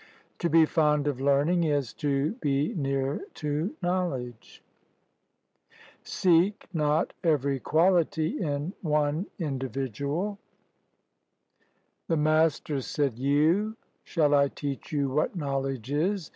To be fond of learning is to be near to knowledge. Seek not every quality in one individual. The Master said: "Yew, shall I teach you what knowledge is?